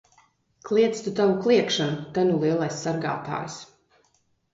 Kliedz tu tavu kliegšanu! Te nu lielais sargātājs!